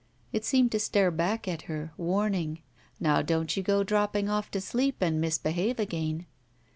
It seemed to stare back at her, warning, Now don't you go dropping off to sleep and misbehave again.